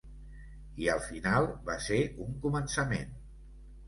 I al final, va ser un començament.